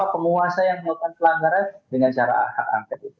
penguasa yang melakukan pelanggaran dengan cara hak angket